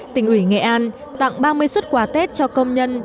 tỉnh ủy nghệ an tặng ba mươi xuất quà tết cho công nhân